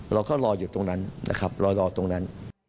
เราก็รออยู่ตรงนั้นนะครับรอตรงนั้น